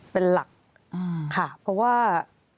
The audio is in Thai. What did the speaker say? เป็นหลักค่ะเพราะว่า